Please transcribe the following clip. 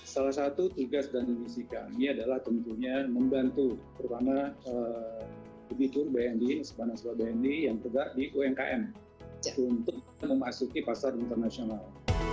salah satu tugas dan visi kami adalah tentunya membantu terutama bidikur bnd sepanas bnd yang tergantung di umkm untuk memasuki pasar internasional